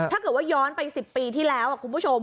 ถ้าเกิดว่าย้อนไป๑๐ปีที่แล้วคุณผู้ชม